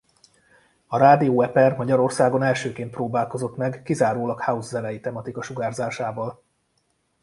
A Rádió Eper Magyarországon elsőként próbálkozott meg kizárólag house zenei tematika sugárzásával.